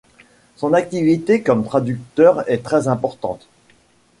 Son activité comme traducteur est très importante.